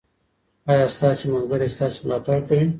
ایا ستاسې ملګري ستاسې ملاتړ کوي؟